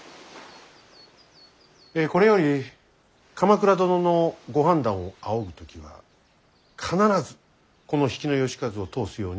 これより鎌倉殿のご判断を仰ぐ時は必ずこの比企能員を通すようにお願いいたす。